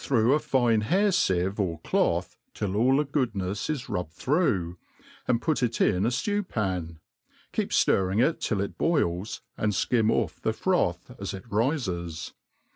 OF 60OKERY k through A fine h^ir (ievc or cloth till all the goodnefs is rubbed through, and put it in a ftew pan i keep ftirrfng it till it boils, ^nd (kim oflF the froth as it rifts.